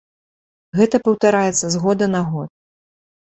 Гэта паўтараецца з года на год.